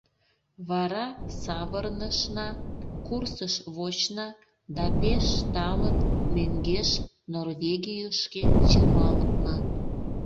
Вара савырнышна, курсыш вочна да пеш талын мӧҥгеш, Норвегийышке, чымалтна.